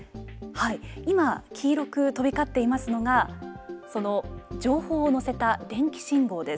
今、黄色く飛び交っていますのがその情報を乗せた電気信号です。